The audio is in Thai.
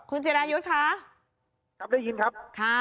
ครับได้ยินครับ